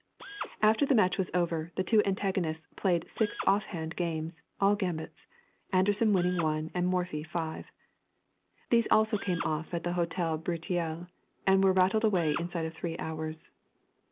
After the match was over, the two antagonists played six off hand games, all gambits, Anderssen winning one, and Morphy five. These also came off at the Hotel Breteuil, and were rattled away inside of three hours.